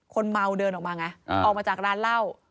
คนเมาเดินออกมาไงออกมาจากร้านเหล้า